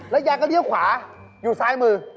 แล้วย้างก็เหลือขวาอยู่ซ้ายมือ